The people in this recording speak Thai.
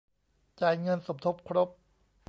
จ่ายเงินสมทบครบ